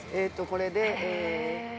これで。